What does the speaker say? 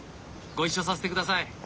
ご一緒させてください。